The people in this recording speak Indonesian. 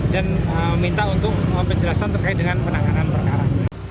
dan meminta untuk penjelasan terkait dengan penanganan perkara